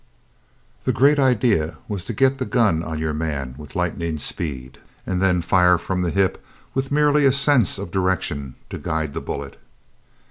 The great idea was to get the gun on your man with lightning speed, and then fire from the hip with merely a sense of direction to guide the bullet.